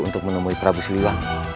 untuk menemui prabu siliwangi